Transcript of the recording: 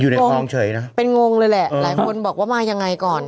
เปิ่งงงเป็นงงเลยแหละหลายคนบอกว่ามาอย่างไรก่อน